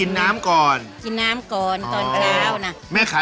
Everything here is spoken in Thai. น้ำก่อนแรงดับแรกเลย